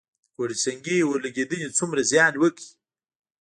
د کوټه سنګي اورلګیدنې څومره زیان وکړ؟